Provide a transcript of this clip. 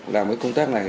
làm cái công tác này